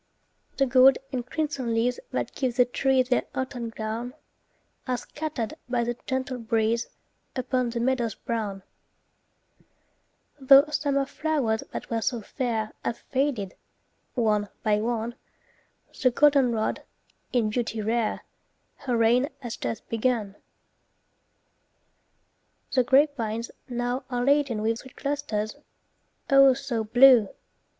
The gold and crimson leaves that give The trees their autumn gown, Are scattered by the gentle breeze Upon the meadows brown. Tho' summer flow'rs that were so fair Have faded, one by one, The goldenrod, in beauty rare, Her reign has just begun. The grapevines now are laden with Sweet clusters, oh, so blue!